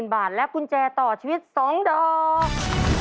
บาทและกุญแจต่อชีวิต๒ดอก